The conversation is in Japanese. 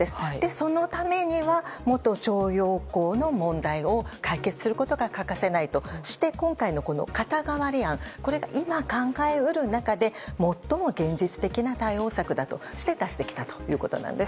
そのためには、元徴用工の問題を解決することが欠かせないとして今回の肩代わり案これが今、考え得る中で最も現実的な対応策だとして出してきたということです。